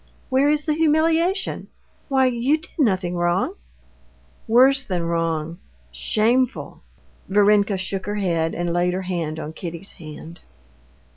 "Where is the humiliation? Why, you did nothing wrong?" "Worse than wrong—shameful." Varenka shook her head and laid her hand on Kitty's hand.